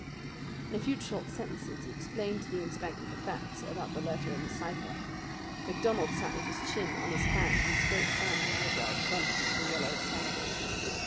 In a few short sentences he explained to the inspector the facts about the letter and the cipher. MacDonald sat with his chin on his hands and his great sandy eyebrows bunched into a yellow tangle.